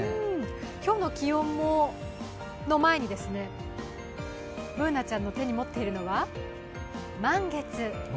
今日の気温の前にですね、Ｂｏｏｎａちゃんの手に持っているのは満月。